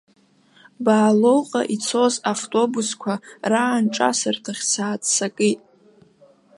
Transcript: Баалоуҟа ицоз автобусқәа раанҿасырҭахь сааццакит.